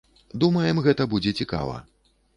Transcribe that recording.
Думаем, гэта будзе цікава.